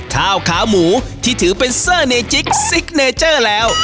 ข้าวขาหมูที่ถือเป็นเซอร์เนจิ๊กซิกเนเจอร์แล้ว